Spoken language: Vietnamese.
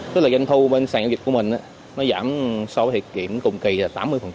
tức là doanh thu bên sàn giao dịch của mình nó giảm so với hiệp kiểm cùng kỳ là tám mươi